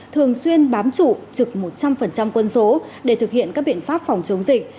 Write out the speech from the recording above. thường xuyên bám trụ trực một trăm linh quân số để thực hiện các biện pháp phòng chống dịch